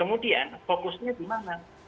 kemudian fokusnya di mana